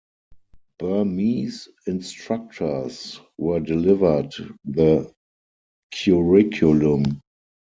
Burmese instructors were delivered the curriculum.